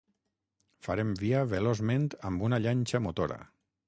Farem via veloçment amb una llanxa motora.